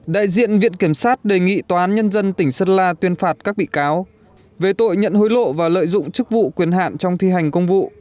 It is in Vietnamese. đại diện viện kiểm sát đề nghị tòa án nhân dân tỉnh sơn la tuyên phạt các bị cáo về tội nhận hối lộ và lợi dụng chức vụ quyền hạn trong thi hành công vụ